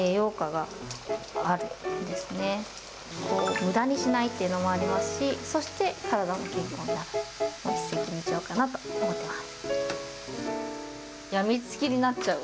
むだにしないっていうのもありますし、そして、体も健康になって一石二鳥かなと思ってます。